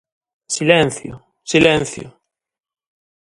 ¡Silencio, silencio!